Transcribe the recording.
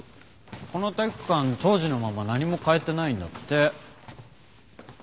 この体育館当時のまま何も変えてないんだって。